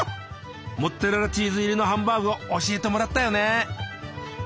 モッツァレラチーズ入りのハンバーグを教えてもらったよね。